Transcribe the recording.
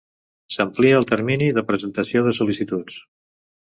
S'amplia el termini de presentació de sol·licituds.